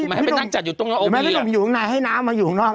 ไม่ได้หนุ่มอยู่ข้างในให้น้ำมาอยู่ข้างนอก